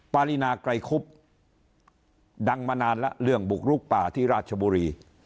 ปรินาไกรคุบดังมานานแล้วเรื่องบุกลุกป่าที่ราชบุรี